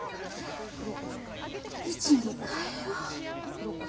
うちに帰ろ。